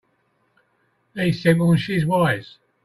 He's simple and she's wise.